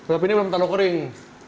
tapi ini belum terlalu kering